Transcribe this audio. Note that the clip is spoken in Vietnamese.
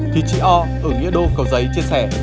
thì chị o ở nghĩa đô cầu giấy chia sẻ